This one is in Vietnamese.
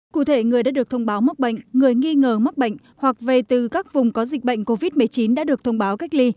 cụ thể người đã được thông báo mắc bệnh người nghi ngờ mắc bệnh hoặc về từ các vùng có dịch bệnh covid một mươi chín đã được thông báo cách ly